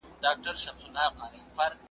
سپکاوی مه کوئ.